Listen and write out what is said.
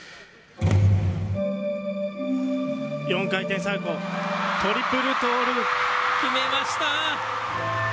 ４回転サルコー、トリプルト決めました。